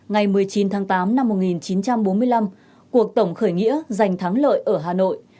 ngày một mươi chín tháng tám năm một nghìn chín trăm bốn mươi năm cuộc tổng khởi nghĩa giành thắng lợi ở hà nội